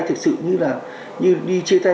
thực sự như là như đi chia tay